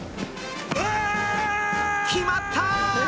決まった！